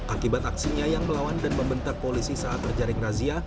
akibat aksinya yang melawan dan membentak polisi saat terjaring razia